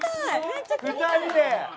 ２人で！